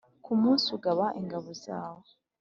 Ku munsi ugaba ingabo zawe,